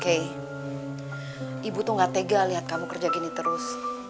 oke ibu tuh gak tega lihat kamu kerja gini terus